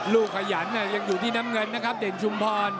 ขยันยังอยู่ที่น้ำเงินนะครับเด่นชุมพร